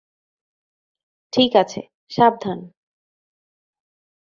ঠিক আছে, সাবধান।